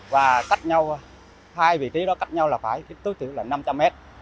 và cách nhau hai vị trí đó cách nhau là phải tối thiểu là năm trăm linh mét